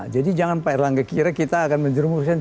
jadi jangan pak erlangga kira kita akan menjerumuskan